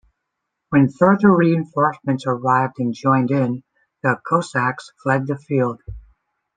When further reinforcements arrived and joined in, the Cossacks fled the field.